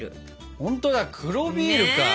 ほんとだ黒ビールか。ね。